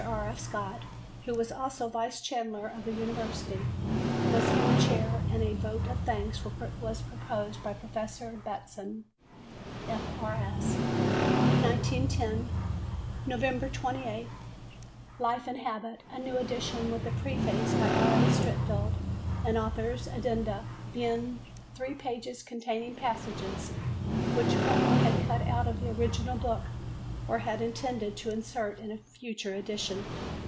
F. Scott), who was also Vice Chancellor of the University, was in the chair and a Vote of Thanks was proposed by Professor Bateson, F.R.S. 1910. Nov. 28. Life and Habit, a new edition with a preface by R. A. Streatfeild and author's addenda, being three pages containing passages which Butler had cut out of the original book or had intended to insert in a future edition.